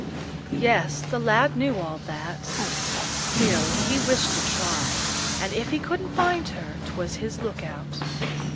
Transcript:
Yes; the lad knew all that. Still he wished to try, and if he couldn't find her, 'twas his look out.